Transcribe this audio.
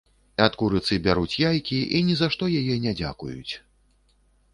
Ад курыцы бяруць яйкі і ні за што яе не дзякуюць.